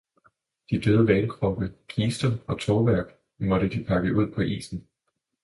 de døde hvalkroppe, kister og tovværk måtte de pakke ud på isen!